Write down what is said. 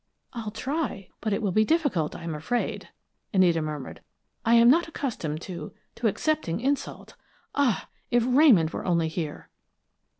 "I'll try, but it will be difficult, I am afraid," Anita murmured. "I am not accustomed to to accepting insults. Ah! if Ramon were only here!"